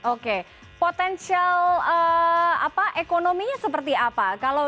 oke potensial ekonominya seperti apa